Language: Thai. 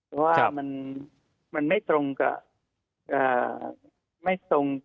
เพราะว่ามันไม่ตรงกับไม่สอดคล้อง